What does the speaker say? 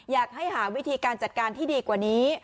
อยากให้หาวิธีการจัดการที่ดีกว่านี้